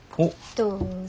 どうぞ。